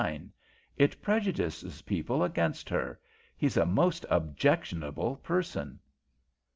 It prejudices people against her. He's a most objectionable person.'